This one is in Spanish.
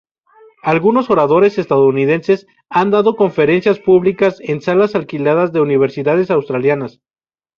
Algunos oradores estadounidenses han dado conferencias públicas en salas alquiladas de universidades australianas.